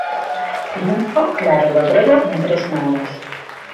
Triunfo claro do grego en tres mangas.